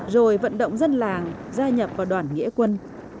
rồi vận động dân làng gia nhập vào đoàn nghĩa quân